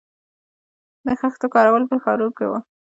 د خښتو کارول په ښارونو کې وو